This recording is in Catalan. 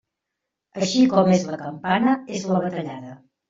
Així com és la campana, és la batallada.